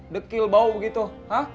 dekil bau begitu hah